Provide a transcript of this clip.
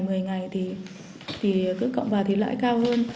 ngày ngày thì cứ cộng vào thì lãi cao hơn